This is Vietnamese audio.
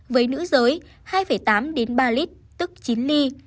với nữ giới hai tám đến ba lít tức chín ly